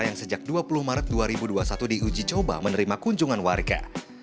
yang sejak dua puluh maret dua ribu dua puluh satu diuji coba menerima kunjungan warga